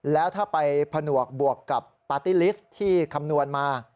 แล้วถ้าไปผนวกบวกกับปาร์ตี้ลิสต์ที่คำนวณมา